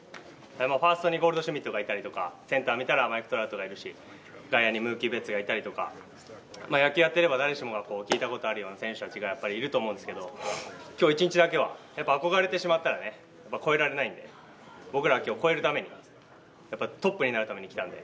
ファーストにゴールドシュミットがいたりとかセンター見たら、マイク・トラウトがいるし外野にムーキー・ベッツがいたりとか野球やっていれば、誰しもが聞いたことがあるような選手たちがいると思うんですけど、今日一日だけは、やっぱり憧れてしまったら超えられないんで僕らは今日、超えるために、トップになるために来たんで。